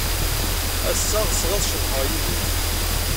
Ass-a, ɣseɣ ad ceḍḥeɣ yid-k.